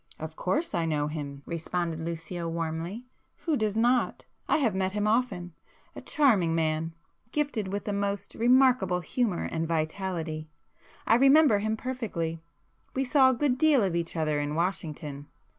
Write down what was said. "Of course I know him"—responded Lucio warmly—"Who does not! I have met him often. A charming man, gifted with most remarkable humour and vitality—I remember him perfectly. We saw a good deal of each other in Washington."